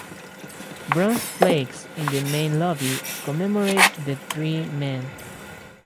Bronze plaques in the main lobby commemorate the three men.